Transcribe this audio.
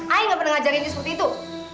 aku tidak pernah mengajarin kamu seperti itu